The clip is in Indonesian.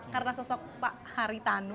karena sosok pak haritanu